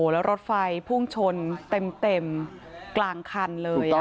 แล้วรถไฟพุ่งชนเต็มกลางคันเลย